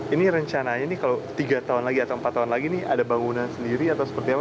ini rencananya ini kalau tiga tahun lagi atau empat tahun lagi ini ada bangunan sendiri atau seperti apa